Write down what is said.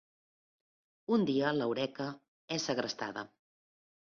Un dia, l'Eureka és segrestada.